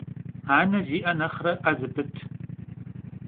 Ane zi'e nexhre 'e zıpıt.